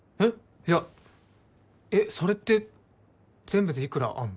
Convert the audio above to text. いやそれって全部で幾らあんの？